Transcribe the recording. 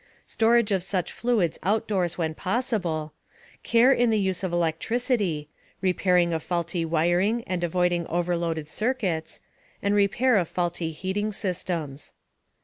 storage of such fluids outdoors when possible; care in the use of electricity; repairing of faulty wiring and avoiding overloaded circuits; and repair of faulty heating systems.